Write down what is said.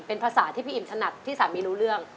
เป็นภาษาที่พี่อิ่มถนัดที่สามีรู้เรื่อง